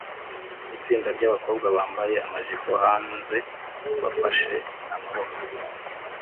Itsinda ryabakobwa bambaye amajipo hanze bafashe amaboko